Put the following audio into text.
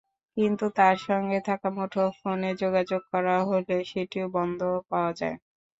কিন্তু তাঁর সঙ্গে থাকা মুঠোফোনে যোগাযোগ করা হলে সেটিও বন্ধ পাওয়া যায়।